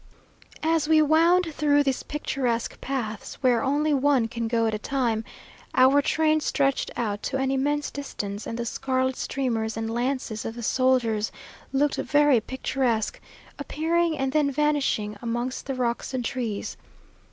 As we wound through these picturesque paths, where only one can go at a time, our train stretched out to an immense distance, and the scarlet streamers and lances of the soldiers looked very picturesque, appearing and then vanishing amongst the rocks and trees.